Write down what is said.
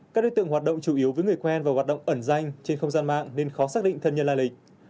các đối tượng hoạt động chủ yếu với người quen và hoạt động ẩn danh trên không gian mạng nên khó xác định thân nhân lai lịch